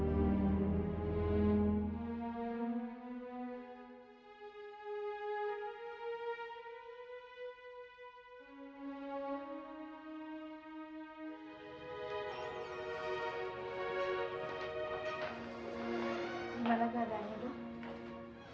masa kritisnya sudah lewat